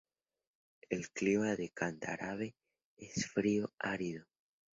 El clima de Candarave es frío, árido.